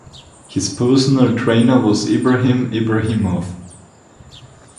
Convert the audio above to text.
His personal trainer was Ibrahim Ibrahimov.